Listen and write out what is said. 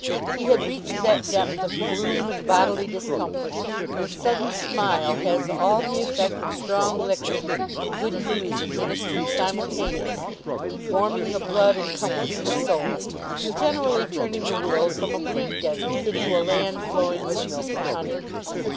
He had reached that depth of gloom and bodily discomfort when a sudden smile has all the effect of strong liquor and good news administered simultaneously, warming the blood and comforting the soul, and generally turning the world from a bleak desert into a land flowing with milk and honey.